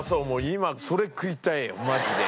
今それ食いたいマジで。